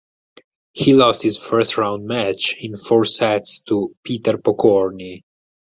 He lost his first round match in four sets to Peter Pokorny.